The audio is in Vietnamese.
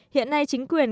hiện nay chính quyền